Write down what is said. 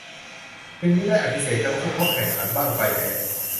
จึงมิได้อภิเษกทั้งคู่เพราะแข่งขันบั้งไฟแพ้